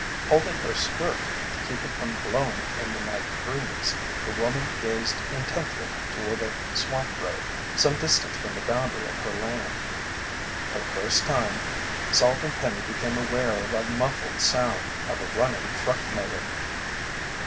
Holding her shirt to keep it from blowing in the night breeze, the woman gazed intently toward a swamp road some distance from the boundary of her land. For the first time, Salt and Penny became aware of a muffled sound of a running truck motor.